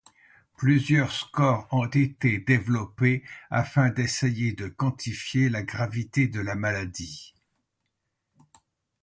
Plusieurs scores ont été développés afin d'essayer de quantifier la gravité de la maladie.